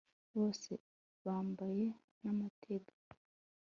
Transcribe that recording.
bose bambaye nametag